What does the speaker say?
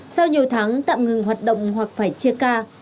sau nhiều tháng tạm ngừng hoạt động hoặc phải chia ca